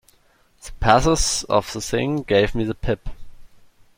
The pathos of the thing gave me the pip.